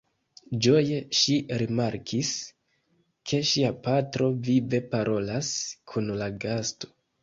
Ĝoje ŝi rimarkis, ke ŝia patro vive parolas kun la gasto.